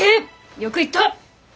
よく言った！